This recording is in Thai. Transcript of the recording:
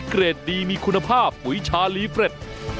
เกรดดีมีคุณภาพปุ๋ยชาลีเฟรด